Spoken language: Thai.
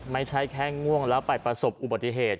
ไม่ใช่แค่ง่วงแล้วไปประสบอุบัติเหตุ